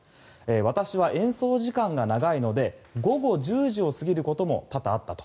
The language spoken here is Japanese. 私は演奏時間が長いので午後１０時を過ぎることも多々あったと。